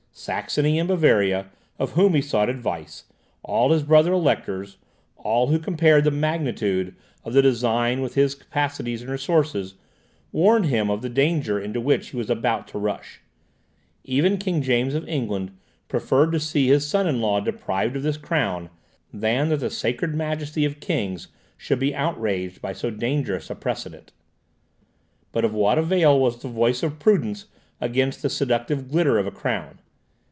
Saxony and Bavaria, of whom he sought advice, all his brother electors, all who compared the magnitude of the design with his capacities and resources, warned him of the danger into which he was about to rush. Even King James of England preferred to see his son in law deprived of this crown, than that the sacred majesty of kings should be outraged by so dangerous a precedent. But of what avail was the voice of prudence against the seductive glitter of a crown?